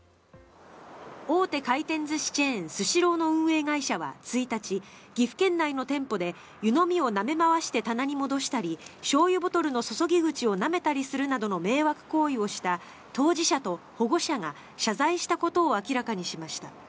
大手回転寿司チェーンスシローの運営会社は１日岐阜県内の店舗で湯飲みをなめ回して棚に戻したりしょうゆボトルの注ぎ口をなめたりするなどの迷惑行為をした当事者と保護者が謝罪したことを明らかにしました。